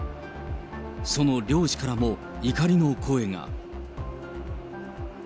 その漁師からも、怒りの声が。